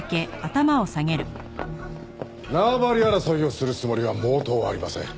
縄張り争いをするつもりは毛頭ありません。